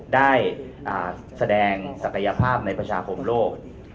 ได้แสดงศักยภาพในประชาคมโลก